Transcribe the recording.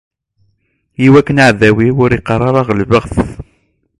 Iwakken aɛdaw-iw ur iqqar ara: Ɣelbeɣ-t!